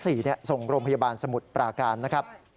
ส่งโรงพยาบาลสมุทรปราการนะครับ